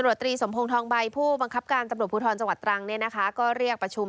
เรียกประชุมตำรวจชุดสืบสวนใหญ่เรียกเร่งด้วย